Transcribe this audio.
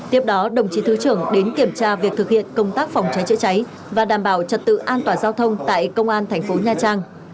tiếp đó đồng chí thứ trưởng đến kiểm tra việc thực hiện công tác phòng cháy chữa cháy và đảm bảo trật tự an toàn giao thông tại công an thành phố nha trang